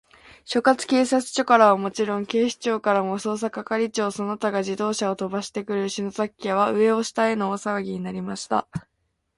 所轄警察署からはもちろん、警視庁からも、捜査係長その他が自動車をとばしてくる、篠崎家は、上を下への大さわぎになりました。